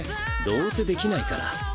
どうせできないから。